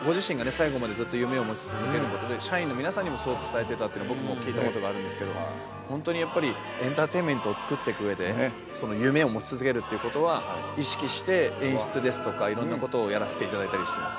最後までずっと夢を持ち続けることで社員の皆さんにもそう伝えてたというのは僕も聞いたことがあるんですけどホントにやっぱりエンターテインメントをつくっていく上でその夢を持ち続けるということは意識して演出ですとか色んなことをやらせていただいたりしてます